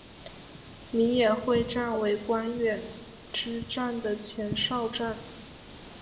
米野会战为关原之战的前哨战。